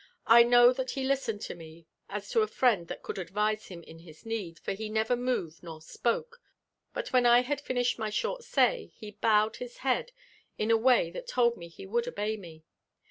I know that he listened to me as to a friend that could advise himMn his need, for he never moved nor spoke ; but when I had finished my short say, he bowed bis head in a way that told me he would obey me.